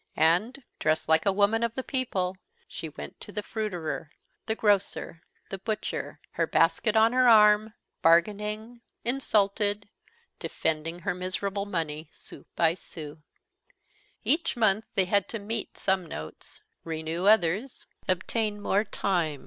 And, dressed like a woman of the people, she went to the fruiterer, the grocer, the butcher, her basket on her arm, bargaining, insulted, defending her miserable money sou by sou. Each month they had to meet some notes, renew others, obtain more time.